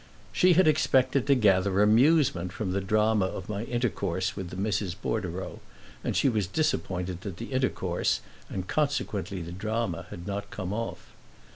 She had expected to gather amusement from the drama of my intercourse with the Misses Bordereau, and she was disappointed that the intercourse, and consequently the drama, had not come off.